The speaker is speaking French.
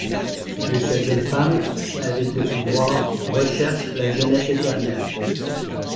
Mais cette jeune femme, avide de pouvoirs, recherche la jeunesse éternelle.